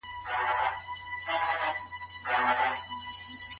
انسان بايد په ټولني کي خپل عزت وساتي.